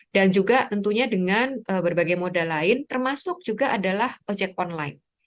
dan juga tentunya dengan berbagai moda lain termasuk juga adalah ojek online